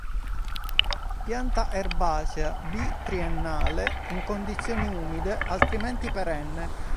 Pianta erbacea; bi-triennale in condizioni umide, altrimenti perenne.